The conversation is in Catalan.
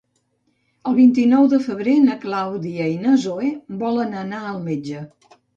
El vint-i-nou de febrer na Clàudia i na Zoè volen anar al metge.